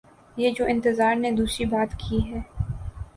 یہ جو انتظار نے دوسری بات کی ہے۔